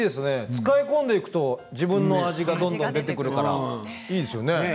使い込んでいくと自分の味がどんどん出てくるからいいですよね。